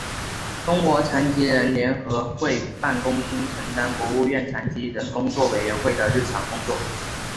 中国残疾人联合会办公厅承担国务院残疾人工作委员会的日常工作。